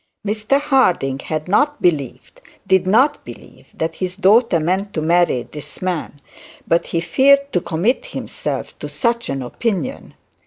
Mr Harding had not believed, did not believe, that his daughter meant to marry this man; but he feared to commit himself to such an opinion.